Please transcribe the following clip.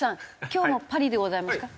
今日もパリでございますか？